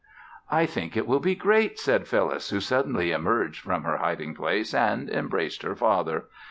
"I think it will be great," said Phyllis, who suddenly emerged from her hiding place and embraced her father.